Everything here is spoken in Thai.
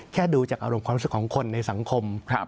ดูจากอารมณ์ความรู้สึกของคนในสังคม